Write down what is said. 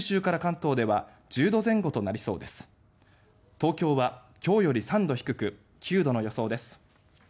東京は今日より３度低く９度の予想です。